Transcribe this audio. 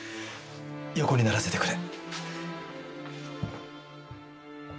横にならせてくれ。